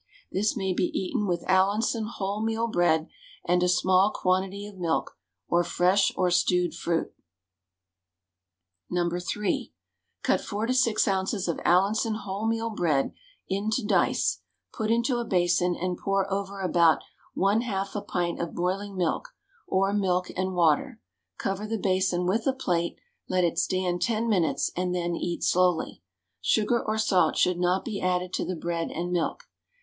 This may be eaten with Allinson wholemeal bread and a small quantity of milk, or fresh or stewed fruit. No. III. Cut 4 to 6 oz. of Allinson wholemeal bread into dice, put into a basin, and pour over about 1/2 a pint of boiling milk, or milk and water; cover the basin with a plate, let it stand ten minutes, and then eat slowly. Sugar or salt should not be added to the bread and milk.